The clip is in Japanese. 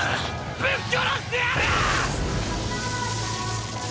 ぶっ殺してやる！！